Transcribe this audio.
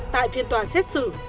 tại phiên tòa xét xử